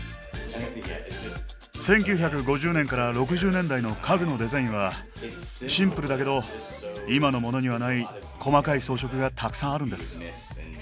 １９５０年から６０年代の家具のデザインはシンプルだけど今のモノにはない細かい装飾がたくさんあるんです。